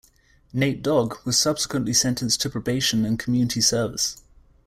Nate Dogg was subsequently sentenced to probation and community service.